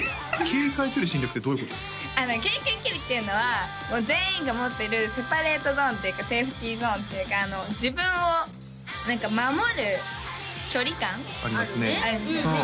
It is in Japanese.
警戒距離っていうのはもう全員が持ってるセパレートゾーンっていうかセーフティーゾーンっていうか自分を何か守る距離感あるんですよね